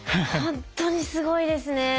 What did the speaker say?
ほんとにすごいですね。